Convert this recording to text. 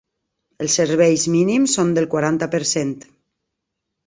Els serveis mínims són del quaranta per cent.